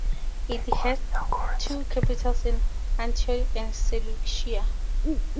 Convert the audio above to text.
It had two capitals in Antioch and Seleucia.